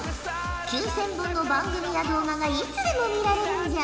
９，０００本の番組や動画がいつでも見られるんじゃ。